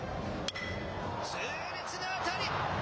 痛烈な当たり！